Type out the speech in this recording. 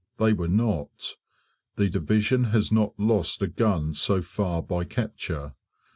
They were not: the division has not lost a gun so far by capture.